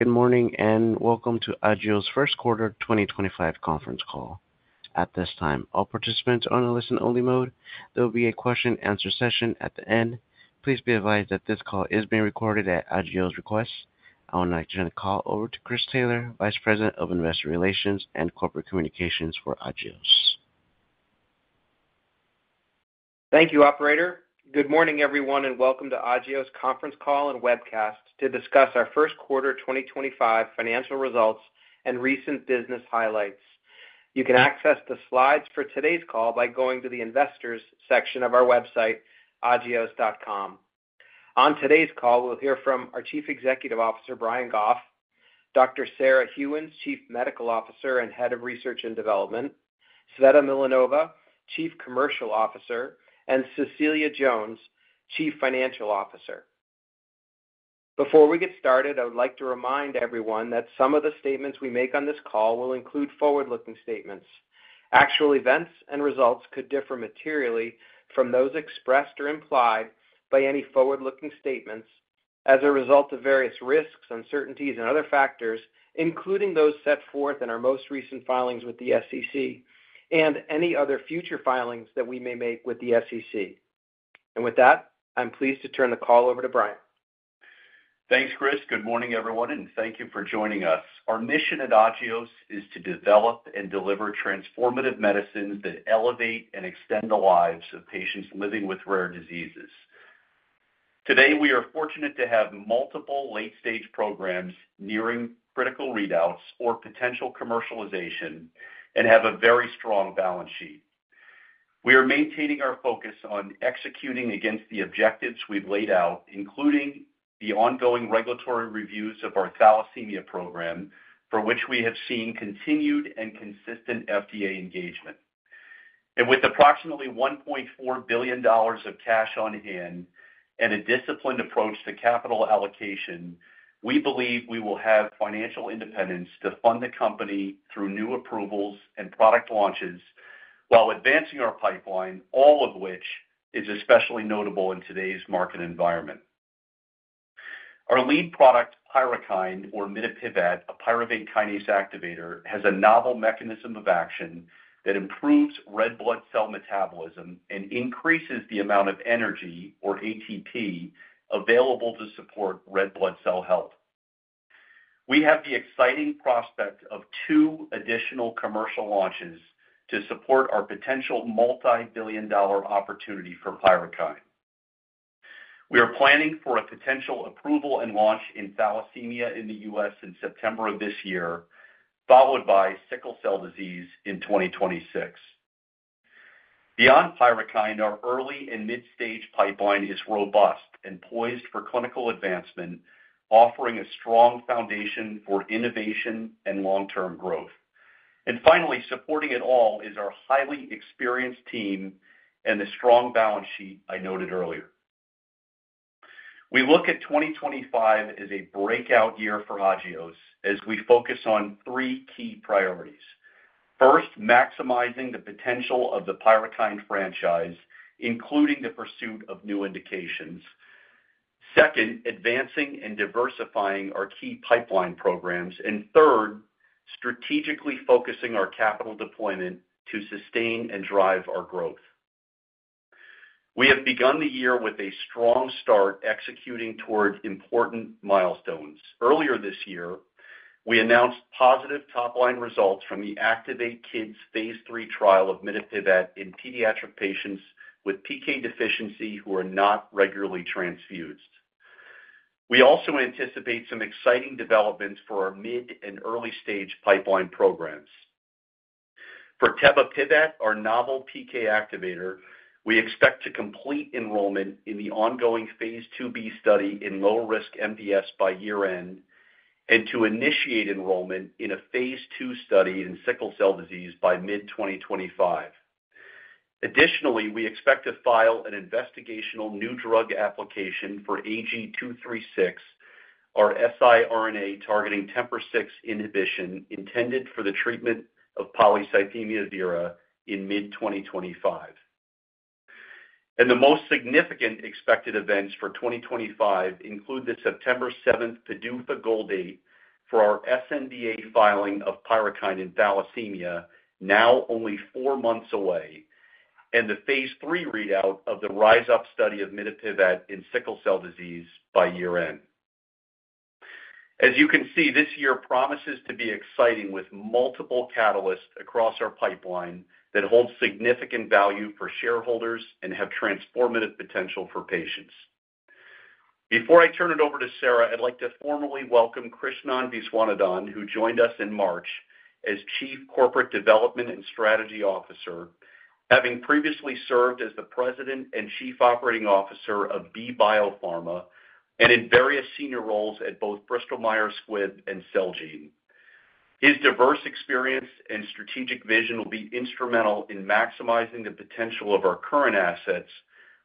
Good morning and welcome to Agios' first quarter 2025 conference call. At this time, all participants are on a listen-only mode. There will be a question-and-answer session at the end. Please be advised that this call is being recorded at Agios' request. I will now turn the call over to Chris Taylor, Vice President of Investor Relations and Corporate Communications for Agios. Thank you, Operator. Good morning, everyone, and welcome to Agios' conference call and webcast to discuss our first quarter 2025 financial results and recent business highlights. You can access the slides for today's call by going to the Investors section of our website, agios.com. On today's call, we'll hear from our Chief Executive Officer, Brian Goff, Dr. Sarah H. Gheuens, Chief Medical Officer and Head of Research and Development, Tsveta Milanova, Chief Commercial Officer, and Cecilia Jones, Chief Financial Officer. Before we get started, I would like to remind everyone that some of the statements we make on this call will include forward-looking statements. Actual events and results could differ materially from those expressed or implied by any forward-looking statements as a result of various risks, uncertainties, and other factors, including those set forth in our most recent filings with the SEC and any other future filings that we may make with the SEC. I am pleased to turn the call over to Brian. Thanks, Chris. Good morning, everyone, and thank you for joining us. Our mission at Agios is to develop and deliver transformative medicines that elevate and extend the lives of patients living with rare diseases. Today, we are fortunate to have multiple late-stage programs nearing critical readouts or potential commercialization and have a very strong balance sheet. We are maintaining our focus on executing against the objectives we've laid out, including the ongoing regulatory reviews of our thalassemia program, for which we have seen continued and consistent FDA engagement. With approximately $1.4 billion of cash on hand and a disciplined approach to capital allocation, we believe we will have financial independence to fund the company through new approvals and product launches while advancing our pipeline, all of which is especially notable in today's market environment. Our lead product, Pyrukynd, or mitapivat, a pyruvate kinase activator, has a novel mechanism of action that improves red blood cell metabolism and increases the amount of energy, or ATP, available to support red blood cell health. We have the exciting prospect of two additional commercial launches to support our potential multi-billion dollar opportunity for Pyrukynd. We are planning for a potential approval and launch in thalassemia in the U.S. in September of this year, followed by sickle cell disease in 2026. Beyond Pyrukynd, our early and mid-stage pipeline is robust and poised for clinical advancement, offering a strong foundation for innovation and long-term growth. Finally, supporting it all is our highly experienced team and the strong balance sheet I noted earlier. We look at 2025 as a breakout year for Agios as we focus on three key priorities. First, maximizing the potential of the Pyrukynd franchise, including the pursuit of new indications. Second, advancing and diversifying our key pipeline programs. Third, strategically focusing our capital deployment to sustain and drive our growth. We have begun the year with a strong start executing toward important milestones. Earlier this year, we announced positive top-line results from the ACTIVATE-Kids phase 3 trial of mitapivat in pediatric patients with PK deficiency who are not regularly transfused. We also anticipate some exciting developments for our mid and early-stage pipeline programs. For tebapivat, our novel PK activator, we expect to complete enrollment in the ongoing phase 2b study in low-risk MDS by year-end and to initiate enrollment in a phase 2 study in sickle cell disease by mid-2025. Additionally, we expect to file an Investigational New Drug application for AG-236, our siRNA targeting TET2 inhibition intended for the treatment of polycythemia vera in mid-2025. The most significant expected events for 2025 include the September 7 PDUFA goal date for our SNDA filing of PYRUKYND in thalassemia, now only four months away, and the phase three readout of the RISE-UP study of mitapivat in sickle cell disease by year-end. As you can see, this year promises to be exciting with multiple catalysts across our pipeline that hold significant value for shareholders and have transformative potential for patients. Before I turn it over to Sarah, I'd like to formally welcome Krishnan Viswanathan, who joined us in March as Chief Corporate Development and Strategy Officer, having previously served as the President and Chief Operating Officer of Servier and in various senior roles at both Bristol-Myers Squibb and Celgene. His diverse experience and strategic vision will be instrumental in maximizing the potential of our current assets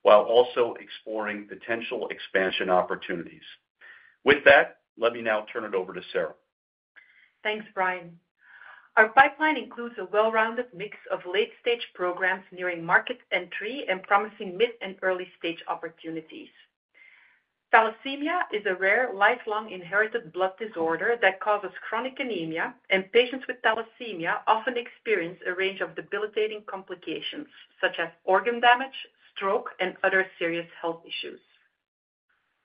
while also exploring potential expansion opportunities. With that, let me now turn it over to Sarah. Thanks, Brian. Our pipeline includes a well-rounded mix of late-stage programs nearing market entry and promising mid and early-stage opportunities. Thalassemia is a rare lifelong inherited blood disorder that causes chronic anemia, and patients with thalassemia often experience a range of debilitating complications such as organ damage, stroke, and other serious health issues.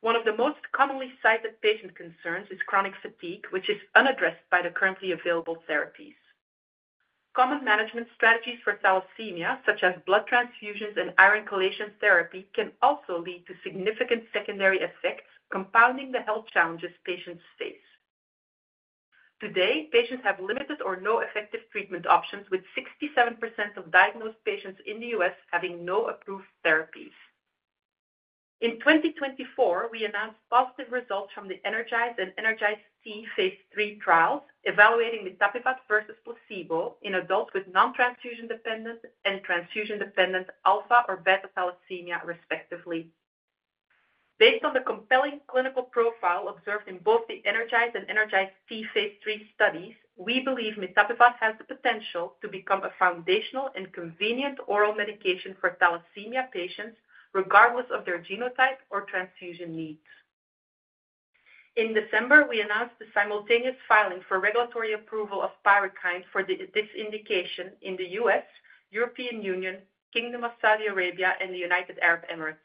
One of the most commonly cited patient concerns is chronic fatigue, which is unaddressed by the currently available therapies. Common management strategies for thalassemia, such as blood transfusions and iron chelation therapy, can also lead to significant secondary effects, compounding the health challenges patients face. Today, patients have limited or no effective treatment options, with 67% of diagnosed patients in the U.S. having no approved therapies. In 2024, we announced positive results from the ENERGIZE and ENERGIZE-T phase three trials evaluating Pyrukynd versus placebo in adults with non-transfusion-dependent and transfusion-dependent alpha or beta thalassemia, respectively. Based on the compelling clinical profile observed in both the ENERGIZE and ENERGIZE-T phase three studies, we believe mitapivat has the potential to become a foundational and convenient oral medication for thalassemia patients, regardless of their genotype or transfusion needs. In December, we announced the simultaneous filing for regulatory approval of PYRUKYND for this indication in the U.S., European Union, Kingdom of Saudi Arabia, and the United Arab Emirates.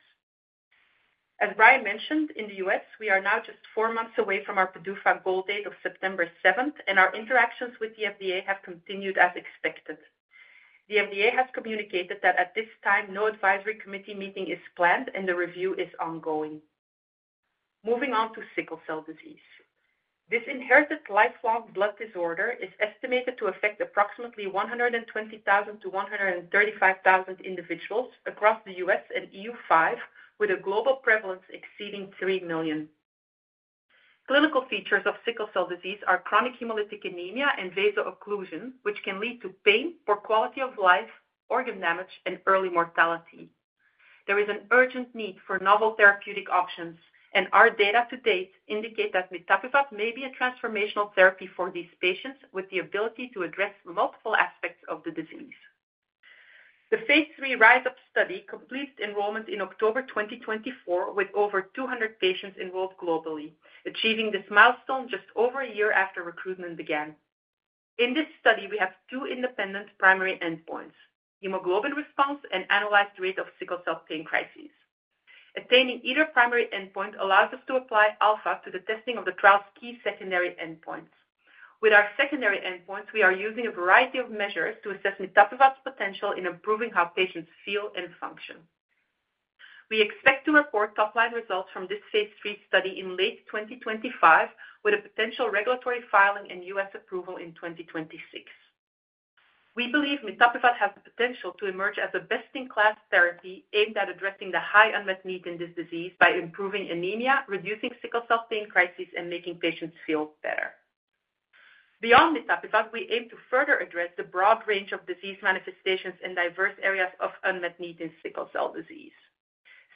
As Brian mentioned, in the U.S., we are now just four months away from our PDUFA goal date of September 7th, and our interactions with the FDA have continued as expected. The FDA has communicated that at this time, no advisory committee meeting is planned, and the review is ongoing. Moving on to sickle cell disease. This inherited lifelong blood disorder is estimated to affect approximately 120,000-135,000 individuals across the U.S. and EU-5, with a global prevalence exceeding 3 million. Clinical features of sickle cell disease are chronic hemolytic anemia and vasoocclusion, which can lead to pain, poor quality of life, organ damage, and early mortality. There is an urgent need for novel therapeutic options, and our data to date indicate that mitapivat may be a transformational therapy for these patients with the ability to address multiple aspects of the disease. The phase three RISE-UP study completed enrollment in October 2024, with over 200 patients enrolled globally, achieving this milestone just over a year after recruitment began. In this study, we have two independent primary endpoints: hemoglobin response and annualized rate of sickle cell pain crises. Attaining either primary endpoint allows us to apply alpha to the testing of the trial's key secondary endpoints. With our secondary endpoints, we are using a variety of measures to assess Pyrukynd's potential in improving how patients feel and function. We expect to report top-line results from this phase three study in late 2025, with a potential regulatory filing and U.S. approval in 2026. We believe Pyrukynd has the potential to emerge as a best-in-class therapy aimed at addressing the high unmet need in this disease by improving anemia, reducing sickle cell pain crises, and making patients feel better. Beyond Pyrukynd, we aim to further address the broad range of disease manifestations and diverse areas of unmet need in sickle cell disease.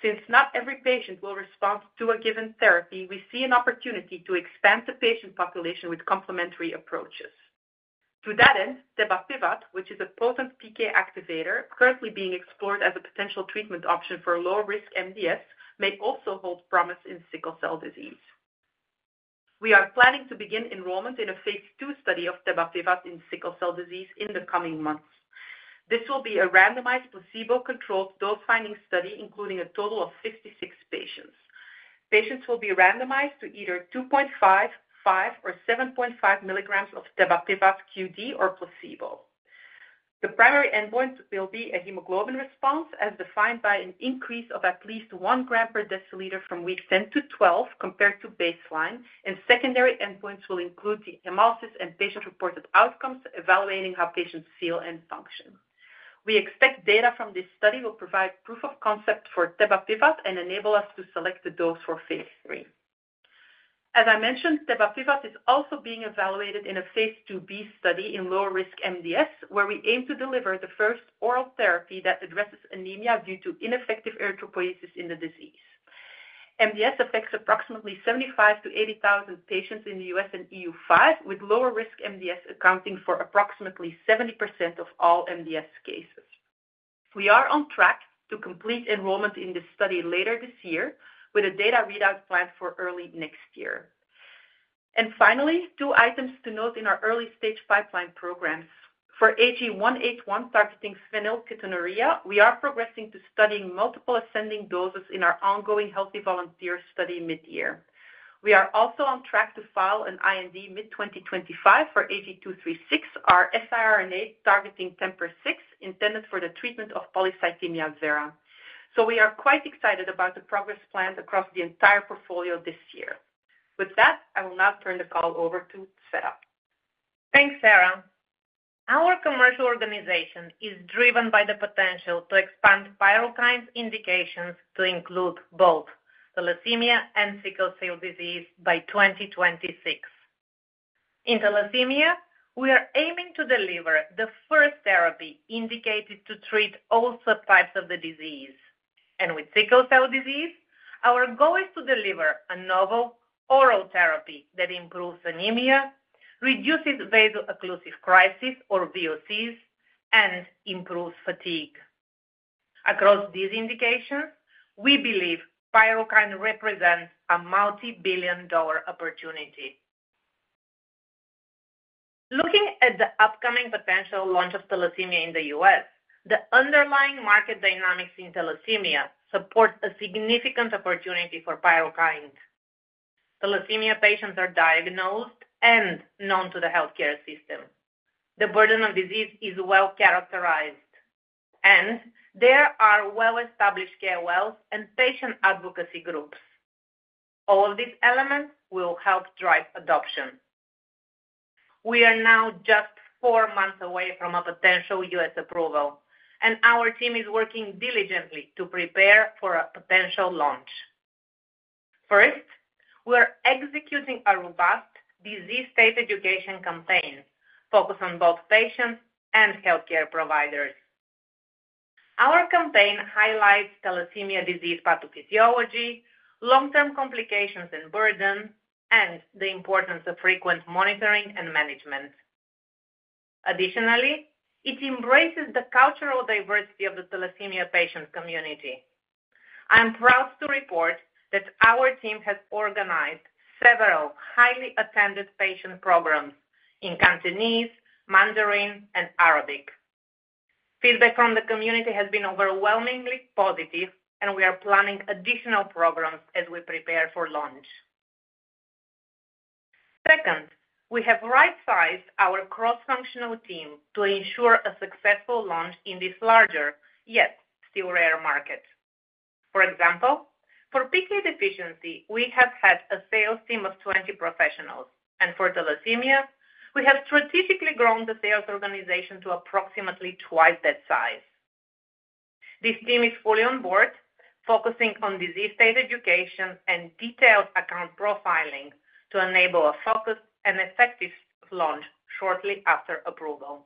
Since not every patient will respond to a given therapy, we see an opportunity to expand the patient population with complementary approaches. To that end, AG-946, which is a potent PK activator currently being explored as a potential treatment option for low-risk MDS, may also hold promise in sickle cell disease. We are planning to begin enrollment in a phase two study of AG-946 in sickle cell disease in the coming months. This will be a randomized placebo-controlled dose-finding study, including a total of 56 patients. Patients will be randomized to either 2.5, 5, or 7.5 milligrams of AG-946 q.d. or placebo. The primary endpoint will be a hemoglobin response as defined by an increase of at least one gram per deciliter from week 10 to 12 compared to baseline, and secondary endpoints will include the analysis and patient-reported outcomes evaluating how patients feel and function. We expect data from this study will provide proof of concept for tebapivat and enable us to select the dose for phase three. As I mentioned, tebapivat is also being evaluated in a phase 2B study in low-risk MDS, where we aim to deliver the first oral therapy that addresses anemia due to ineffective erythropoiesis in the disease. MDS affects approximately 75,000-80,000 patients in the U.S. and EU-5, with lower-risk MDS accounting for approximately 70% of all MDS cases. We are on track to complete enrollment in this study later this year, with a data readout planned for early next year. Finally, two items to note in our early-stage pipeline programs. For AG-181 targeting phenylketonuria, we are progressing to studying multiple ascending doses in our ongoing Healthy Volunteers study mid-year. We are also on track to file an IND mid-2025 for AG-236, our siRNA targeting TET2 inhibition intended for the treatment of polycythemia vera. We are quite excited about the progress planned across the entire portfolio this year. With that, I will now turn the call over to tebapivat. Thanks, Sarah. Our commercial organization is driven by the potential to expand Pyrukynd's indications to include both thalassemia and sickle cell disease by 2026. In thalassemia, we are aiming to deliver the first therapy indicated to treat all subtypes of the disease. With sickle cell disease, our goal is to deliver a novel oral therapy that improves anemia, reduces vasoocclusive crises, or VOCs, and improves fatigue. Across these indications, we believe Pyrukynd represents a multi-billion dollar opportunity. Looking at the upcoming potential launch of thalassemia in the U.S., the underlying market dynamics in thalassemia support a significant opportunity for Pyrukynd. Thalassemia patients are diagnosed and known to the healthcare system. The burden of disease is well characterized, and there are well-established KOLs and patient advocacy groups. All of these elements will help drive adoption. We are now just four months away from a potential U.S. approval, and our team is working diligently to prepare for a potential launch. First, we are executing a robust disease state education campaign focused on both patients and healthcare providers. Our campaign highlights thalassemia disease pathophysiology, long-term complications and burden, and the importance of frequent monitoring and management. Additionally, it embraces the cultural diversity of the thalassemia patient community. I am proud to report that our team has organized several highly attended patient programs in Cantonese, Mandarin, and Arabic. Feedback from the community has been overwhelmingly positive, and we are planning additional programs as we prepare for launch. Second, we have right-sized our cross-functional team to ensure a successful launch in this larger, yet still rare market. For example, for PK deficiency, we have had a sales team of 20 professionals, and for thalassemia, we have strategically grown the sales organization to approximately twice that size. This team is fully on board, focusing on disease state education and detailed account profiling to enable a focused and effective launch shortly after approval.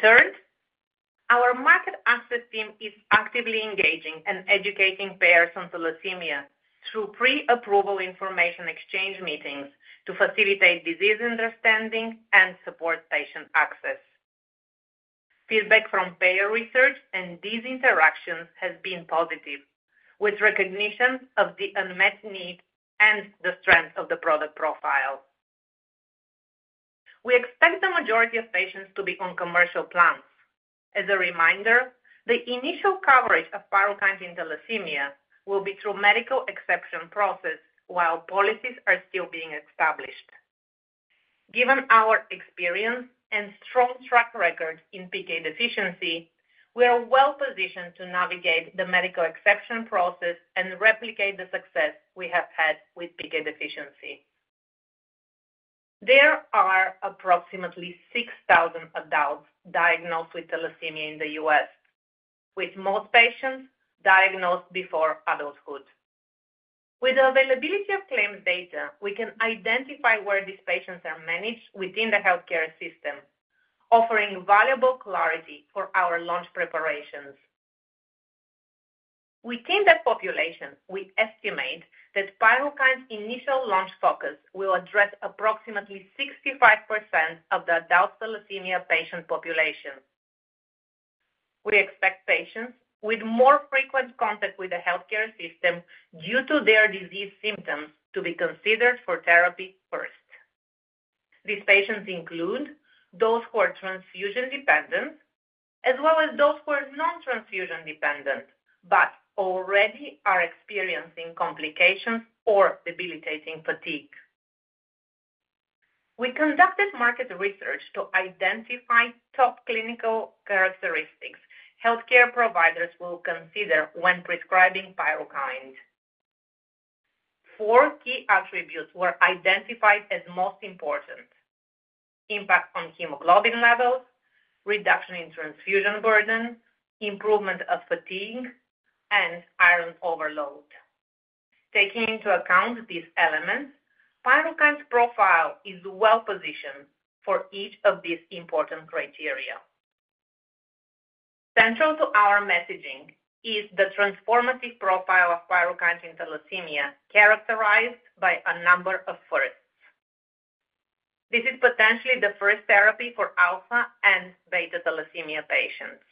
Third, our market access team is actively engaging and educating payers on thalassemia through pre-approval information exchange meetings to facilitate disease understanding and support patient access. Feedback from payer research and these interactions has been positive, with recognition of the unmet need and the strength of the product profile. We expect the majority of patients to be on commercial plans. As a reminder, the initial coverage of Pyrukynd in thalassemia will be through medical exception process while policies are still being established. Given our experience and strong track record in PK deficiency, we are well positioned to navigate the medical exception process and replicate the success we have had with PK deficiency. There are approximately 6,000 adults diagnosed with thalassemia in the U.S., with most patients diagnosed before adulthood. With the availability of claims data, we can identify where these patients are managed within the healthcare system, offering valuable clarity for our launch preparations. Within that population, we estimate that Pyrukynd's initial launch focus will address approximately 65% of the adult thalassemia patient population. We expect patients with more frequent contact with the healthcare system due to their disease symptoms to be considered for therapy first. These patients include those who are transfusion-dependent, as well as those who are non-transfusion-dependent but already are experiencing complications or debilitating fatigue. We conducted market research to identify top clinical characteristics healthcare providers will consider when prescribing Pyrukynd. Four key attributes were identified as most important: impact on hemoglobin levels, reduction in transfusion burden, improvement of fatigue, and iron overload. Taking into account these elements, Pyrukynd's profile is well positioned for each of these important criteria. Central to our messaging is the transformative profile of Pyrukynd in thalassemia, characterized by a number of firsts. This is potentially the first therapy for alpha and beta thalassemia patients,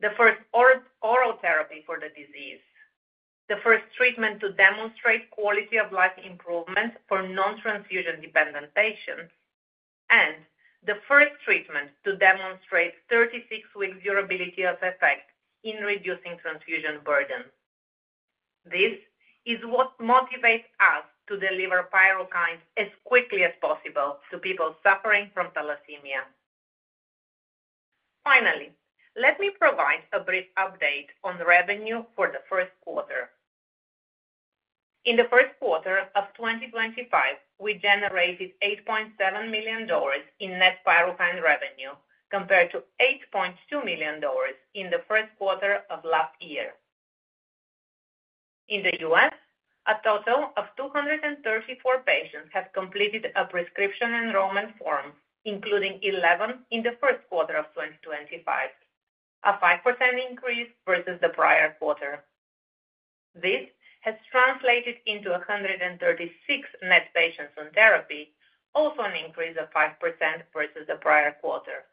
the first oral therapy for the disease, the first treatment to demonstrate quality-of-life improvements for non-transfusion-dependent patients, and the first treatment to demonstrate 36-week durability of effect in reducing transfusion burden. This is what motivates us to deliver Pyrukynd as quickly as possible to people suffering from thalassemia. Finally, let me provide a brief update on revenue for the first quarter. In the first quarter of 2025, we generated $8.7 million in net Pyrukynd revenue, compared to $8.2 million in the first quarter of last year. In the U.S., a total of 234 patients have completed a prescription enrollment form, including 11 in the first quarter of 2025, a 5% increase versus the prior quarter. This has translated into 136 net patients on therapy, also an increase of 5% versus the prior quarter,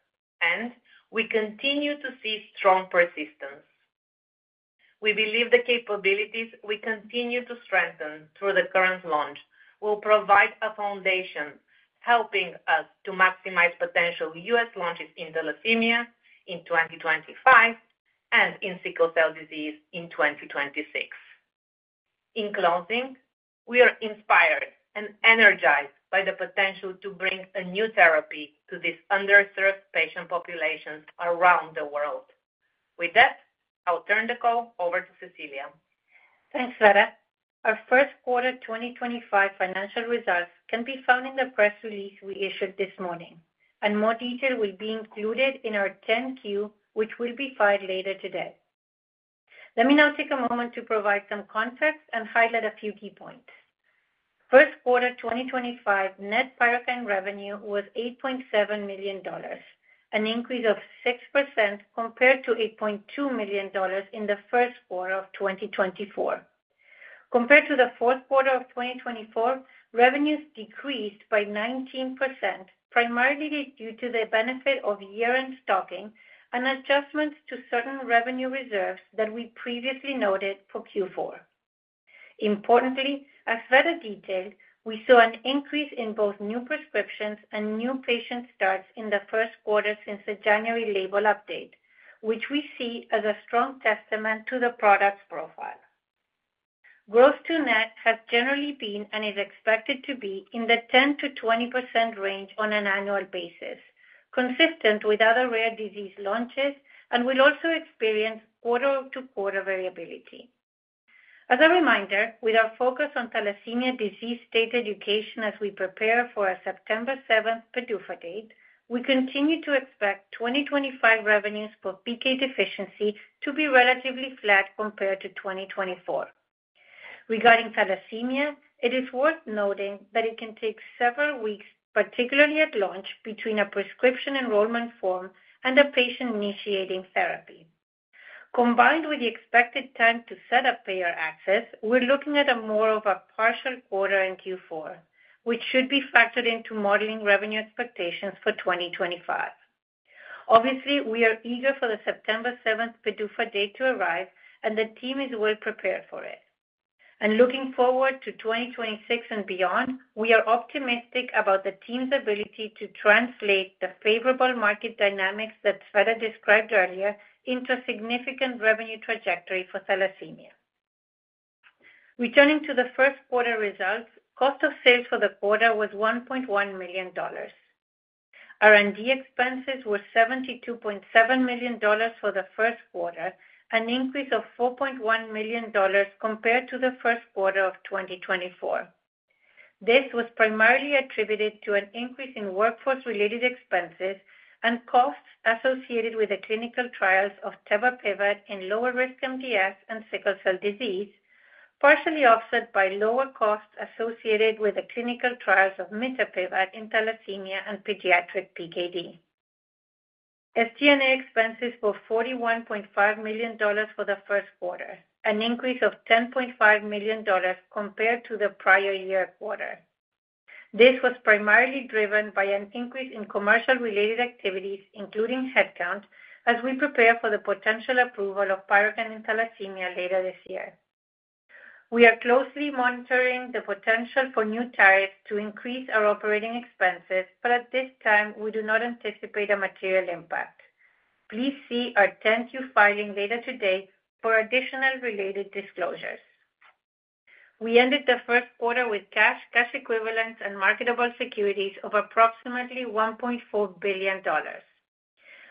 and we continue to see strong persistence. We believe the capabilities we continue to strengthen through the current launch will provide a foundation helping us to maximize potential U.S. launches in thalassemia in 2025 and in sickle cell disease in 2026. In closing, we are inspired and energized by the potential to bring a new therapy to these underserved patient populations around the world. With that, I'll turn the call over to Cecilia. Thanks, Tsveta. Our first quarter 2025 financial results can be found in the press release we issued this morning, and more detail will be included in our 10Q, which will be filed later today. Let me now take a moment to provide some context and highlight a few key points. First quarter 2025 net Pyrukynd revenue was $8.7 million, an increase of 6% compared to $8.2 million in the first quarter of 2024. Compared to the fourth quarter of 2024, revenues decreased by 19%, primarily due to the benefit of year-end stocking and adjustments to certain revenue reserves that we previously noted for Q4. Importantly, as Tsveta detailed, we saw an increase in both new prescriptions and new patient starts in the first quarter since the January label update, which we see as a strong testament to the product's profile. Gross to net has generally been and is expected to be in the 10%-20% range on an annual basis, consistent with other rare disease launches, and will also experience quarter-to-quarter variability. As a reminder, with our focus on thalassemia disease state education as we prepare for our September 7th PDUFA date, we continue to expect 2025 revenues for PK deficiency to be relatively flat compared to 2024. Regarding thalassemia, it is worth noting that it can take several weeks, particularly at launch, between a prescription enrollment form and a patient initiating therapy. Combined with the expected time to set up payer access, we're looking at more of a partial quarter in Q4, which should be factored into modeling revenue expectations for 2025. Obviously, we are eager for the September 7th PDUFA date to arrive, and the team is well prepared for it. Looking forward to 2026 and beyond, we are optimistic about the team's ability to translate the favorable market dynamics that Tsveta described earlier into a significant revenue trajectory for thalassemia. Returning to the first quarter results, cost of sales for the quarter was $1.1 million. R&D expenses were $72.7 million for the first quarter, an increase of $4.1 million compared to the first quarter of 2024. This was primarily attributed to an increase in workforce-related expenses and costs associated with the clinical trials of AG-946 in low-risk MDS and sickle cell disease, partially offset by lower costs associated with the clinical trials of Pyrukynd in thalassemia and pediatric PKD. SG&A expenses were $41.5 million for the first quarter, an increase of $10.5 million compared to the prior year quarter. This was primarily driven by an increase in commercial-related activities, including headcount, as we prepare for the potential approval of Pyrukynd in thalassemia later this year. We are closely monitoring the potential for new tariffs to increase our operating expenses, but at this time, we do not anticipate a material impact. Please see our 10Q filing later today for additional related disclosures. We ended the first quarter with cash, cash equivalents, and marketable securities of approximately $1.4 billion.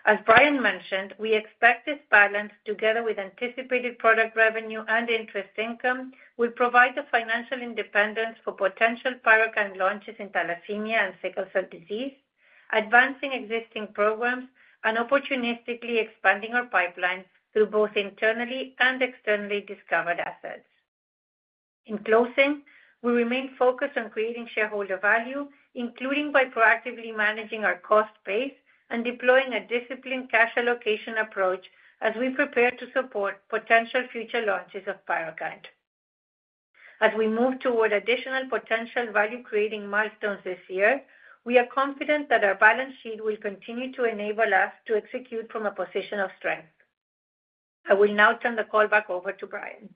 As Brian mentioned, we expect this balance, together with anticipated product revenue and interest income, will provide the financial independence for potential Pyrukynd launches in thalassemia and sickle cell disease, advancing existing programs and opportunistically expanding our pipeline through both internally and externally discovered assets. In closing, we remain focused on creating shareholder value, including by proactively managing our cost base and deploying a disciplined cash allocation approach as we prepare to support potential future launches of Pyrukynd. As we move toward additional potential value-creating milestones this year, we are confident that our balance sheet will continue to enable us to execute from a position of strength. I will now turn the call back over to Brian.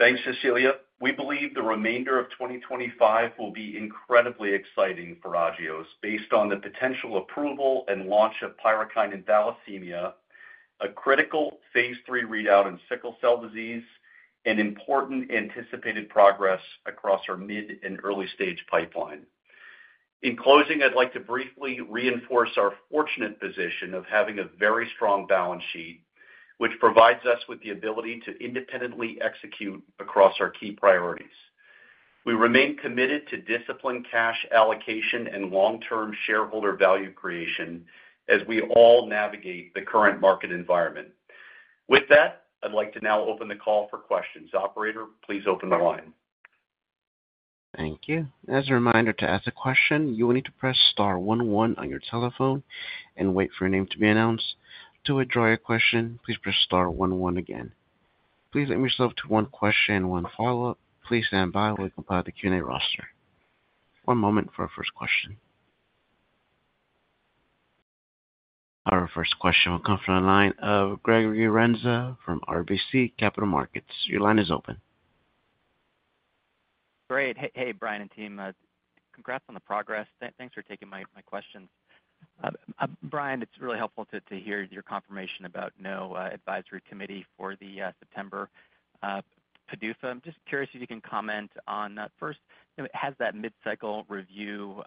Thanks, Cecilia. We believe the remainder of 2025 will be incredibly exciting for Agios based on the potential approval and launch of Pyrukynd in thalassemia, a critical phase three readout in sickle cell disease, and important anticipated progress across our mid and early-stage pipeline. In closing, I'd like to briefly reinforce our fortunate position of having a very strong balance sheet, which provides us with the ability to independently execute across our key priorities. We remain committed to disciplined cash allocation and long-term shareholder value creation as we all navigate the current market environment. With that, I'd like to now open the call for questions. Operator, please open the line. Thank you. As a reminder to ask a question, you will need to press star 11 on your telephone and wait for your name to be announced. To withdraw your question, please press star 11 again. Please let me reserve one question and one follow-up. Please stand by while we compile the Q&A roster. One moment for our first question. Our first question will come from the line of Gregory Renza from RBC Capital Markets. Your line is open. Great. Hey, Brian and team. Congrats on the progress. Thanks for taking my questions. Brian, it's really helpful to hear your confirmation about no advisory committee for the September PDUFA. I'm just curious if you can comment on first, has that mid-cycle review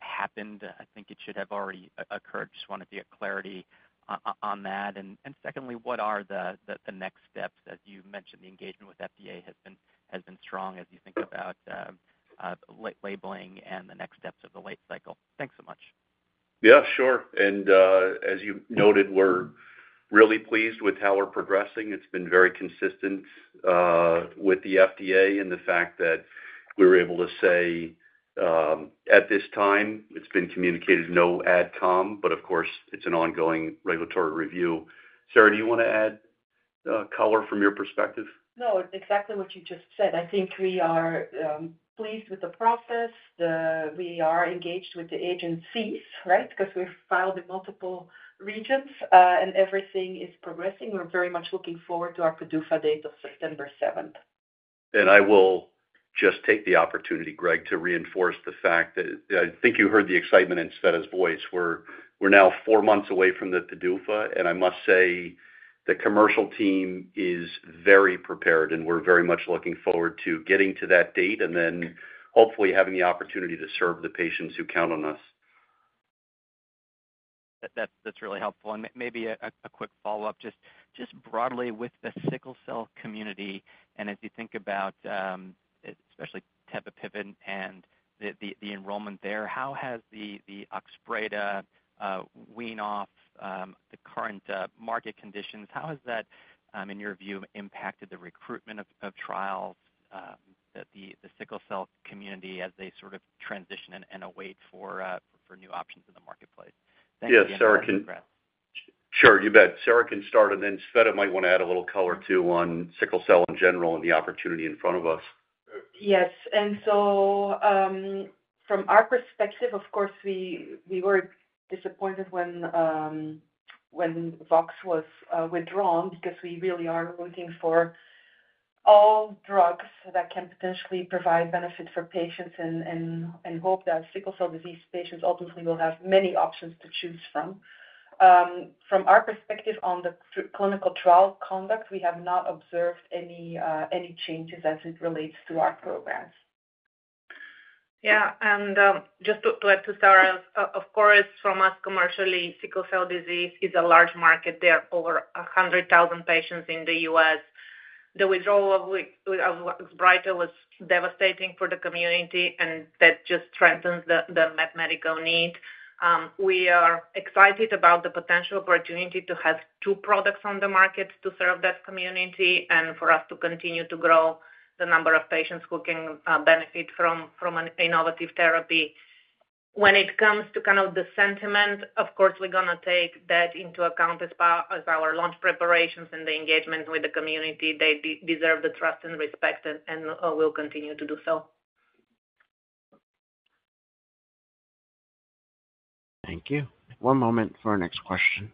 happened? I think it should have already occurred. Just wanted to get clarity on that. Secondly, what are the next steps? As you mentioned, the engagement with FDA has been strong as you think about late labeling and the next steps of the late cycle. Thanks so much. Yeah, sure. As you noted, we're really pleased with how we're progressing. It's been very consistent with the FDA in the fact that we were able to say at this time, it's been communicated no ad com, but of course, it's an ongoing regulatory review. Sarah, do you want to add color from your perspective? No, exactly what you just said. I think we are pleased with the process. We are engaged with the agencies, right, because we filed in multiple regions, and everything is progressing. We're very much looking forward to our PDUFA date of September 7th. I will just take the opportunity, Greg, to reinforce the fact that I think you heard the excitement in Tsveta's voice. We're now four months away from the PDUFA, and I must say the commercial team is very prepared, and we're very much looking forward to getting to that date and then hopefully having the opportunity to serve the patients who count on us. That's really helpful. Maybe a quick follow-up, just broadly with the sickle cell community and as you think about especially mitapivat and the enrollment there, how has the Oxbryda wean off the current market conditions? How has that, in your view, impacted the recruitment of trials, the sickle cell community as they sort of transition and await for new options in the marketplace? Thanks for those congrats. Yeah, Sarah can—sure, you bet. Sarah can start, and then Tsveta might want to add a little color too on sickle cell in general and the opportunity in front of us. Yes. From our perspective, of course, we were disappointed when Vox was withdrawn because we really are looking for all drugs that can potentially provide benefit for patients and hope that sickle cell disease patients ultimately will have many options to choose from. From our perspective on the clinical trial conduct, we have not observed any changes as it relates to our programs. Yeah. Just to add to Sarah, of course, for us commercially, sickle cell disease is a large market. There are over 100,000 patients in the U.S. The withdrawal of Oxbryda was devastating for the community, and that just strengthens the medical need. We are excited about the potential opportunity to have two products on the market to serve that community and for us to continue to grow the number of patients who can benefit from innovative therapy. When it comes to kind of the sentiment, of course, we're going to take that into account as our launch preparations and the engagement with the community. They deserve the trust and respect, and we'll continue to do so. Thank you. One moment for our next question.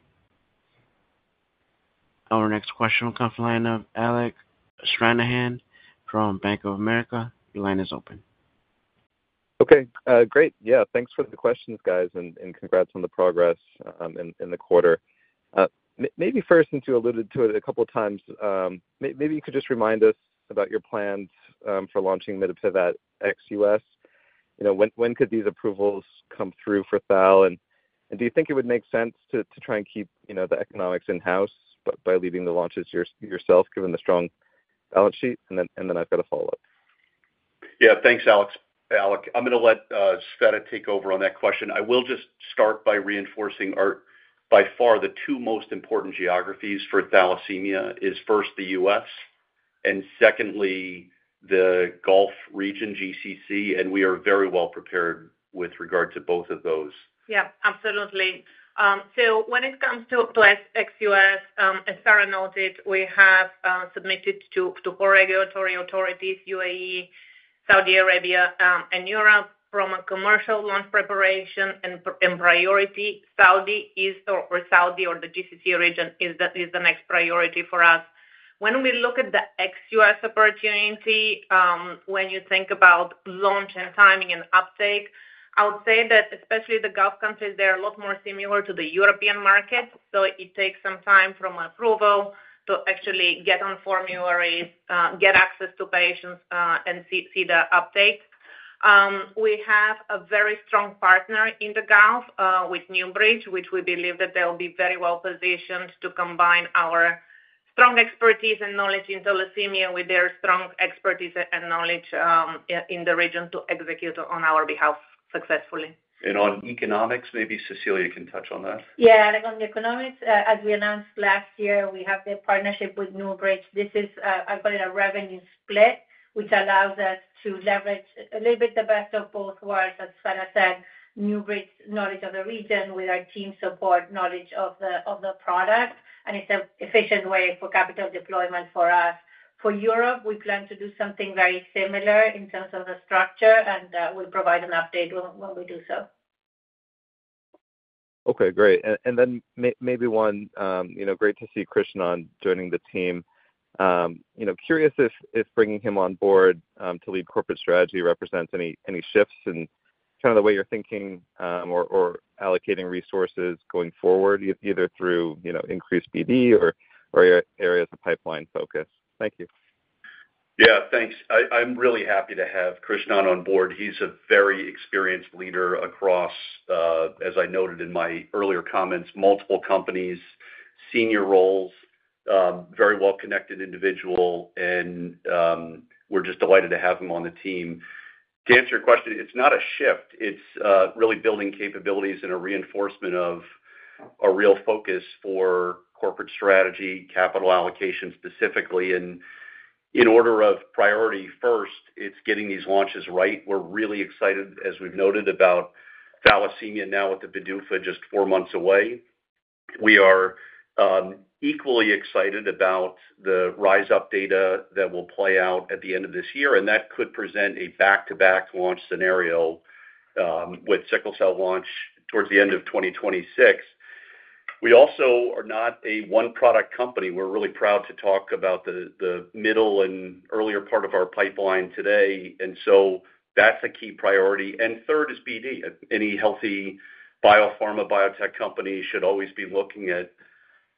Our next question will come from the line of Alec Stranahan from Bank of America. Your line is open. Okay. Great. Yeah. Thanks for the questions, guys, and congrats on the progress in the quarter. Maybe first, since you alluded to it a couple of times, maybe you could just remind us about your plans for launching Pyrukynd XUS. When could these approvals come through for thal? Do you think it would make sense to try and keep the economics in-house by leading the launches yourself, given the strong balance sheet? I have a follow-up. Yeah. Thanks, Alec. I'm going to let Tsveta take over on that question. I will just start by reinforcing our, by far, the two most important geographies for thalassemia is first the U.S. and secondly the Gulf region, GCC, and we are very well prepared with regard to both of those. Yeah, absolutely. When it comes to XUS, as Sarah noted, we have submitted to four regulatory authorities: UAE, Saudi Arabia, and Europe from a commercial launch preparation and priority. Saudi or the GCC region is the next priority for us. When we look at the XUS opportunity, when you think about launch and timing and uptake, I would say that especially the Gulf countries, they're a lot more similar to the European market. It takes some time from approval to actually get on formularies, get access to patients, and see the uptake. We have a very strong partner in the Gulf with NewBridge, which we believe that they'll be very well positioned to combine our strong expertise and knowledge in thalassemia with their strong expertise and knowledge in the region to execute on our behalf successfully. Maybe Cecilia can touch on economics. Yeah. On economics, as we announced last year, we have the partnership with NewBridge. This is, I call it a revenue split, which allows us to leverage a little bit the best of both worlds. As Sarah said, NewBridge knowledge of the region with our team support knowledge of the product, and it's an efficient way for capital deployment for us. For Europe, we plan to do something very similar in terms of the structure, and we'll provide an update when we do so. Okay. Great. Maybe one, great to see Krishnan joining the team. Curious if bringing him on board to lead corporate strategy represents any shifts in kind of the way you're thinking or allocating resources going forward, either through increased BD or areas of pipeline focus. Thank you. Yeah, thanks. I'm really happy to have Krishnan on board. He's a very experienced leader across, as I noted in my earlier comments, multiple companies, senior roles, very well-connected individual, and we're just delighted to have him on the team. To answer your question, it's not a shift. It's really building capabilities and a reinforcement of our real focus for corporate strategy, capital allocation specifically. In order of priority first, it's getting these launches right. We're really excited, as we've noted, about thalassemia now with the PDUFA just four months away. We are equally excited about the rise-up data that will play out at the end of this year, and that could present a back-to-back launch scenario with sickle cell launch towards the end of 2026. We also are not a one-product company. We're really proud to talk about the middle and earlier part of our pipeline today. That is a key priority. Third is BD. Any healthy biopharma biotech company should always be looking at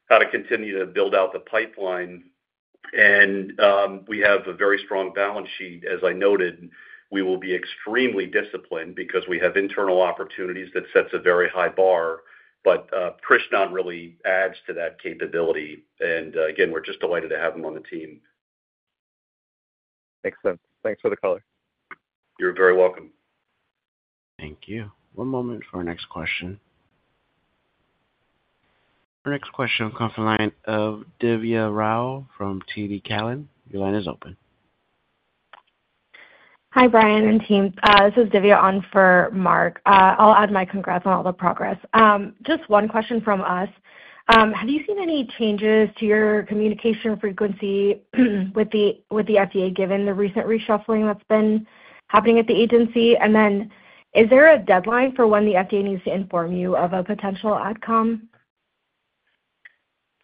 how to continue to build out the pipeline. We have a very strong balance sheet. As I noted, we will be extremely disciplined because we have internal opportunities that set a very high bar, but Krishnan really adds to that capability. We are just delighted to have him on the team. Excellent. Thanks for the color. You're very welcome. Thank you. One moment for our next question. Our next question will come from the line of Divya Rao from TD Cowen. Your line is open. Hi, Brian and team. This is Divya on for Mark. I'll add my congrats on all the progress. Just one question from us. Have you seen any changes to your communication frequency with the FDA given the recent reshuffling that's been happening at the agency? Is there a deadline for when the FDA needs to inform you of a potential ad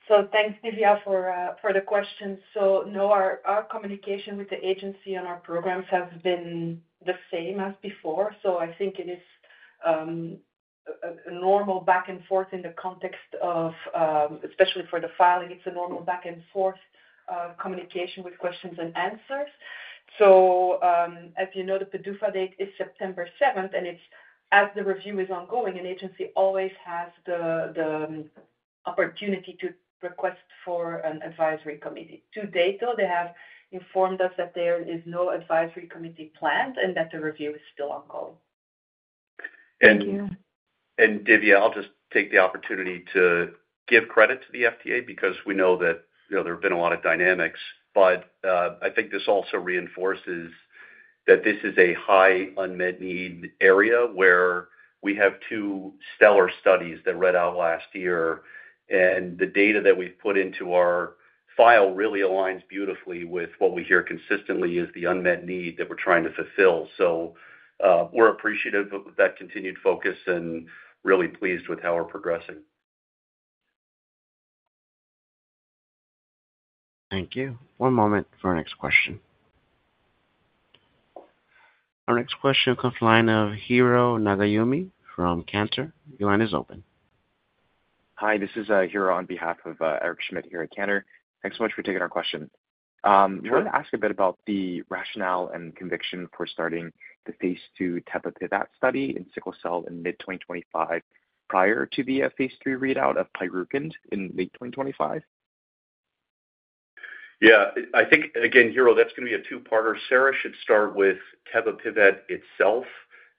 com? Thanks, Divya, for the question. No, our communication with the agency and our programs has been the same as before. I think it is a normal back and forth in the context of, especially for the filing, it is a normal back and forth communication with questions and answers. As you know, the PDUFA date is September 7, and as the review is ongoing, an agency always has the opportunity to request for an advisory committee. To date, though, they have informed us that there is no advisory committee planned and that the review is still ongoing. Divya, I'll just take the opportunity to give credit to the FDA because we know that there have been a lot of dynamics, but I think this also reinforces that this is a high unmet need area where we have two stellar studies that read out last year, and the data that we've put into our file really aligns beautifully with what we hear consistently is the unmet need that we're trying to fulfill. We are appreciative of that continued focus and really pleased with how we're progressing. Thank you. One moment for our next question. Our next question will come from the line of Hiro Nagayumi from Cantor. Your line is open. Hi, this is Hiro on behalf of Eric Schmidt here at Cantor. Thanks so much for taking our question. I wanted to ask a bit about the rationale and conviction for starting the phase two mitapivat study in sickle cell in mid-2025 prior to the phase three readout of Pyrukynd in late 2025. Yeah. I think, again, Hiro, that's going to be a two-parter. Sarah should start with mitapivat itself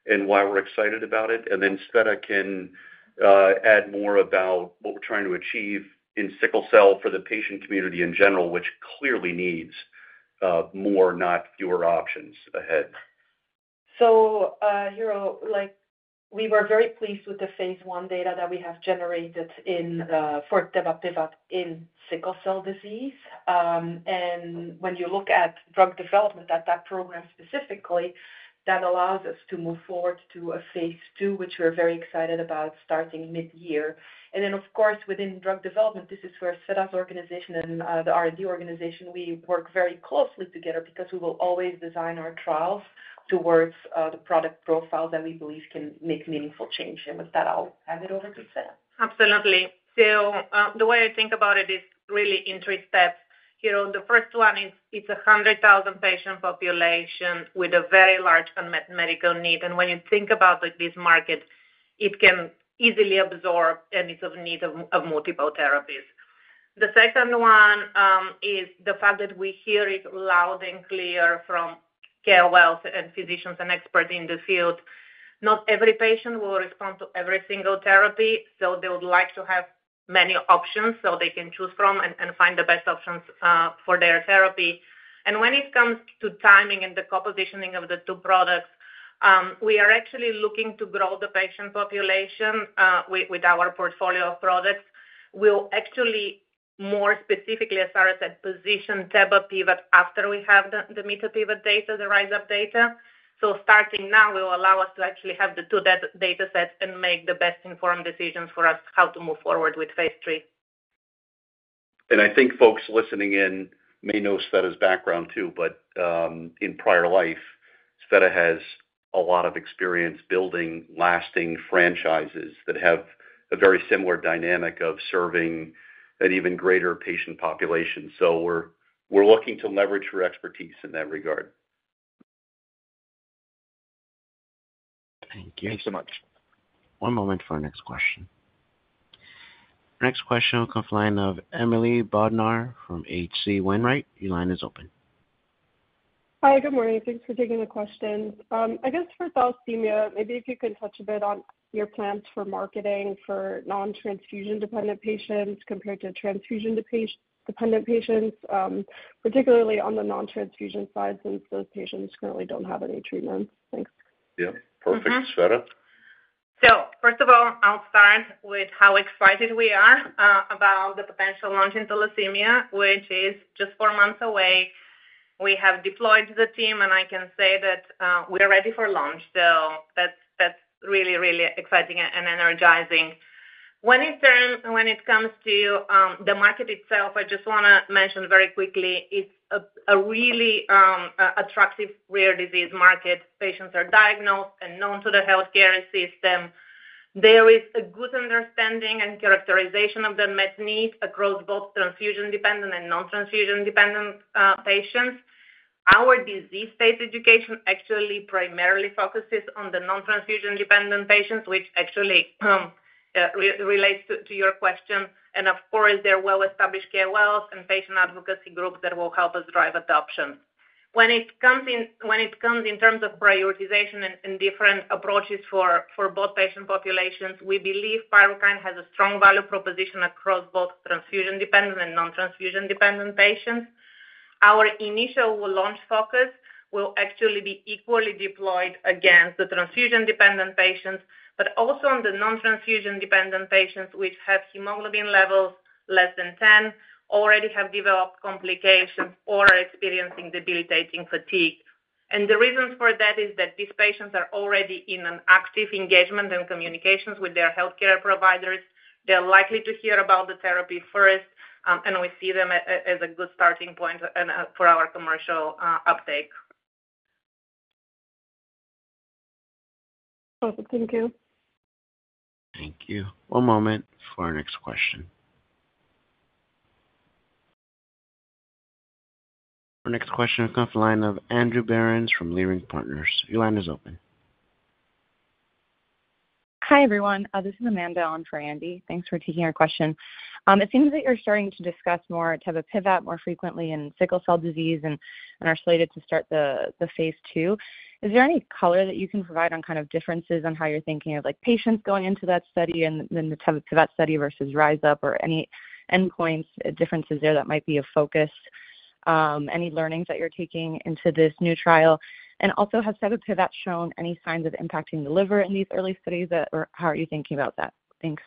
and why we're excited about it, and then Tsveta can add more about what we're trying to achieve in sickle cell for the patient community in general, which clearly needs more, not fewer options ahead. Hiro, we were very pleased with the phase one data that we have generated for mitapivat in sickle cell disease. When you look at drug development at that program specifically, that allows us to move forward to a phase two, which we're very excited about starting mid-year. Of course, within drug development, this is where Tsveta's organization and the R&D organization, we work very closely together because we will always design our trials towards the product profile that we believe can make meaningful change. With that, I'll hand it over to Tsveta. Absolutely. The way I think about it is really in three steps. Hiro, the first one is it's a 100,000 patient population with a very large unmet medical need. When you think about this market, it can easily absorb and it's in need of multiple therapies. The second one is the fact that we hear it loud and clear from KOLs and physicians and experts in the field. Not every patient will respond to every single therapy, so they would like to have many options so they can choose from and find the best options for their therapy. When it comes to timing and the co-positioning of the two products, we are actually looking to grow the patient population with our portfolio of products. More specifically, as Sarah said, position tebapivat after we have the mitapivat data, the RISE-UP data. Starting now, we will allow us to actually have the two data sets and make the best informed decisions for us how to move forward with phase three. I think folks listening in may know Tsveta's background too, but in prior life, Tsveta has a lot of experience building lasting franchises that have a very similar dynamic of serving an even greater patient population. We are looking to leverage her expertise in that regard. Thank you so much. One moment for our next question. Our next question will come from the line of Emily Bodnar from HC Wainwright. Your line is open. Hi, good morning. Thanks for taking the question. I guess for thalassemia, maybe if you can touch a bit on your plans for marketing for non-transfusion-dependent patients compared to transfusion-dependent patients, particularly on the non-transfusion side since those patients currently don't have any treatments. Thanks. Yeah. Perfect, Tsveta. First of all, I'll start with how excited we are about the potential launch in thalassemia, which is just four months away. We have deployed the team, and I can say that we are ready for launch. That's really, really exciting and energizing. When it comes to the market itself, I just want to mention very quickly, it's a really attractive rare disease market. Patients are diagnosed and known to the healthcare system. There is a good understanding and characterization of the met need across both transfusion-dependent and non-transfusion-dependent patients. Our disease-based education actually primarily focuses on the non-transfusion-dependent patients, which actually relates to your question. Of course, there are well-established KOLs and patient advocacy groups that will help us drive adoption. When it comes in terms of prioritization and different approaches for both patient populations, we believe Pyrukynd has a strong value proposition across both transfusion-dependent and non-transfusion-dependent patients. Our initial launch focus will actually be equally deployed against the transfusion-dependent patients, but also on the non-transfusion-dependent patients which have hemoglobin levels less than 10, already have developed complications, or are experiencing debilitating fatigue. The reasons for that is that these patients are already in an active engagement and communications with their healthcare providers. They're likely to hear about the therapy first, and we see them as a good starting point for our commercial uptake. Perfect. Thank you. Thank you. One moment for our next question. Our next question will come from the line of Andrew Scott Berens from Leerink Partners. Your line is open. Hi everyone. This is Amanda on for Andy. Thanks for taking our question. It seems that you're starting to discuss more tebapivat more frequently in sickle cell disease and are slated to start the phase two. Is there any color that you can provide on kind of differences on how you're thinking of patients going into that study and then the mitapivat study versus rise-up or any endpoints, differences there that might be of focus, any learnings that you're taking into this new trial? Also, has tebapivat shown any signs of impacting the liver in these early studies? How are you thinking about that? Thanks.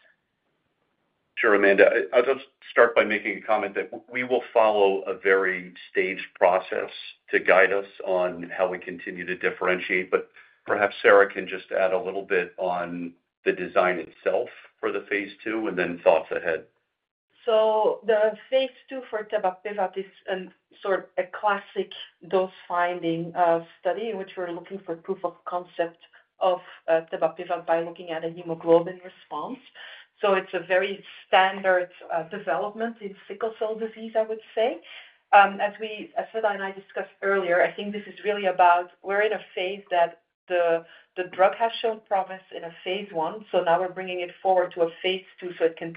Sure, Amanda. I'll just start by making a comment that we will follow a very staged process to guide us on how we continue to differentiate, but perhaps Sarah can just add a little bit on the design itself for the phase two and then thoughts ahead. The phase two for tebapivat is sort of a classic dose-finding study in which we're looking for proof of concept of tebapivat by looking at a hemoglobin response. It's a very standard development in sickle cell disease, I would say. As Tsveta and I discussed earlier, I think this is really about we're in a phase that the drug has shown promise in a phase one. Now we're bringing it forward to a phase two so it can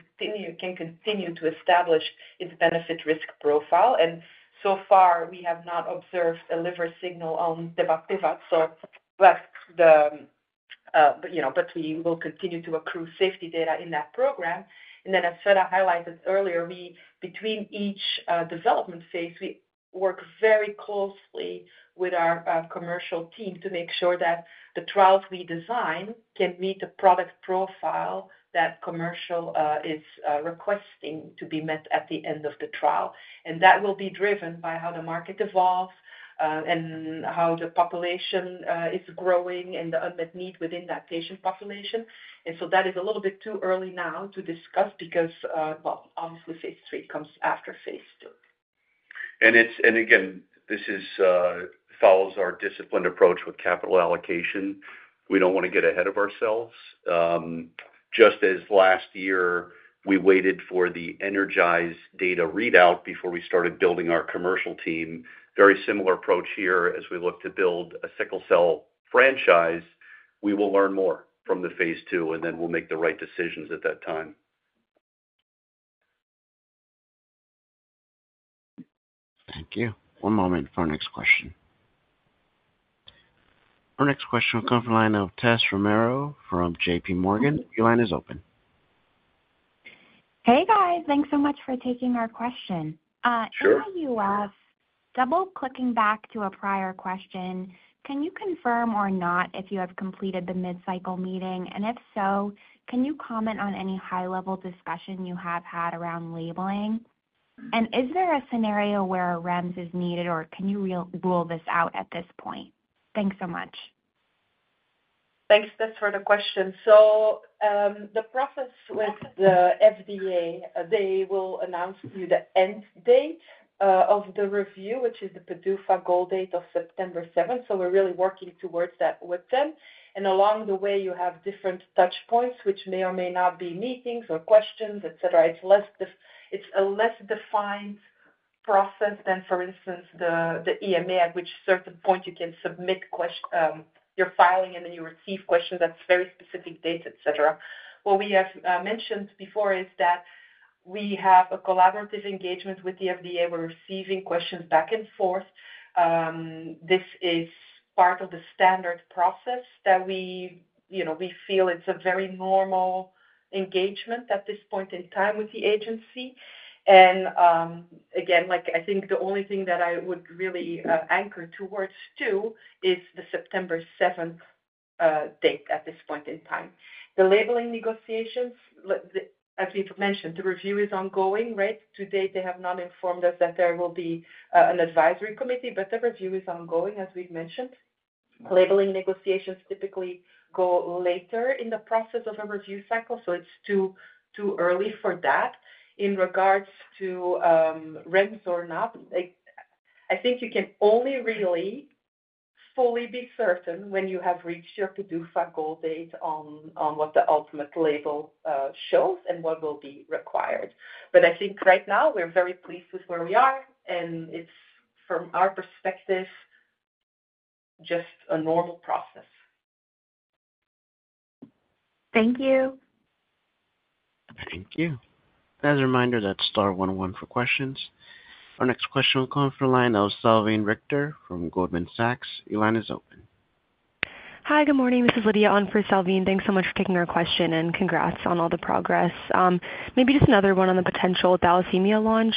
continue to establish its benefit-risk profile. So far, we have not observed a liver signal on tebapivat. We will continue to accrue safety data in that program. As Tsveta highlighted earlier, between each development phase, we work very closely with our commercial team to make sure that the trials we design can meet the product profile that commercial is requesting to be met at the end of the trial. That will be driven by how the market evolves and how the population is growing and the unmet need within that patient population. That is a little bit too early now to discuss because, obviously, phase three comes after phase II. This follows our disciplined approach with capital allocation. We do not want to get ahead of ourselves. Just as last year, we waited for the energized data readout before we started building our commercial team. Very similar approach here as we look to build a sickle cell franchise. We will learn more from the phase two, and then we will make the right decisions at that time. Thank you. One moment for our next question. Our next question will come from the line of Tessa Thomas Romero from JP Morgan. Your line is open. Hey, guys. Thanks so much for taking our question. Sure. I have a U.S. Double-clicking back to a prior question, can you confirm or not if you have completed the mid-cycle meeting? If so, can you comment on any high-level discussion you have had around labeling? Is there a scenario where a REMS is needed, or can you rule this out at this point? Thanks so much. Thanks, Tessa, for the question. The process with the FDA, they will announce to you the end date of the review, which is the PDUFA goal date of September 7th. We are really working towards that with them. Along the way, you have different touch points, which may or may not be meetings or questions, etc. It is a less defined process than, for instance, the EMA, at which certain point you can submit your filing and then you receive questions that is a very specific date, etc. What we have mentioned before is that we have a collaborative engagement with the FDA. We are receiving questions back and forth. This is part of the standard process that we feel is a very normal engagement at this point in time with the agency. I think the only thing that I would really anchor towards too is the September 7th date at this point in time. The labeling negotiations, as we've mentioned, the review is ongoing, right? To date, they have not informed us that there will be an advisory committee, but the review is ongoing, as we've mentioned. Labeling negotiations typically go later in the process of a review cycle, so it's too early for that. In regards to REMS or not, I think you can only really fully be certain when you have reached your PDUFA goal date on what the ultimate label shows and what will be required. I think right now, we're very pleased with where we are, and it's, from our perspective, just a normal process. Thank you. Thank you. As a reminder, that's star 101 for questions. Our next question will come from the line of Salveen Richter from Goldman Sachs. Your line is open. Hi, good morning. This is Lydia Ahn for Salveen. Thanks so much for taking our question and congrats on all the progress. Maybe just another one on the potential thalassemia launch.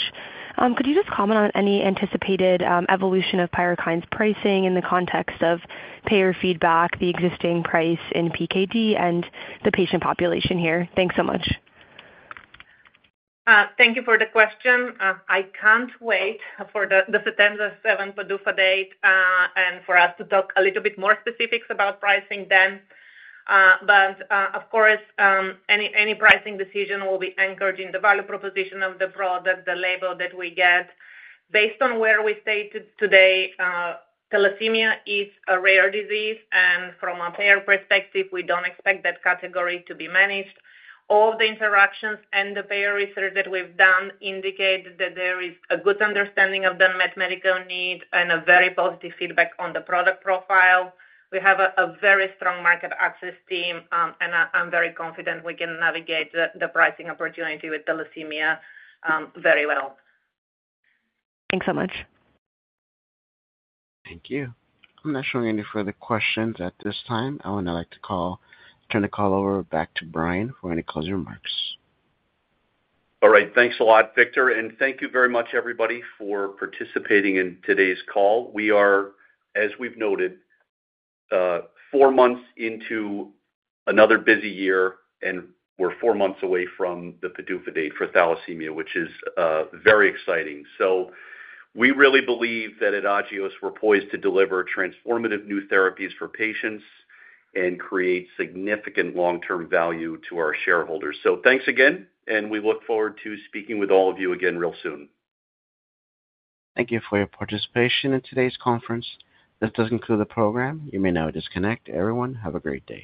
Could you just comment on any anticipated evolution of Pyrukynd's pricing in the context of payer feedback, the existing price in PKD, and the patient population here? Thanks so much. Thank you for the question. I can't wait for the September 7th PDUFA date and for us to talk a little bit more specifics about pricing then. Of course, any pricing decision will be anchored in the value proposition of the product, the label that we get. Based on where we stay today, thalassemia is a rare disease, and from a payer perspective, we don't expect that category to be managed. All of the interactions and the payer research that we've done indicate that there is a good understanding of the unmet medical need and a very positive feedback on the product profile. We have a very strong market access team, and I'm very confident we can navigate the pricing opportunity with thalassemia very well. Thanks so much. Thank you. I'm not showing any further questions at this time. I would now like to turn the call over back to Brian for any closing remarks. All right. Thanks a lot, Victor. Thank you very much, everybody, for participating in today's call. We are, as we've noted, four months into another busy year, and we're four months away from the PDUFA date for thalassemia, which is very exciting. We really believe that at Agios, we're poised to deliver transformative new therapies for patients and create significant long-term value to our shareholders. Thanks again, and we look forward to speaking with all of you again real soon. Thank you for your participation in today's conference. This does conclude the program. You may now disconnect. Everyone, have a great day.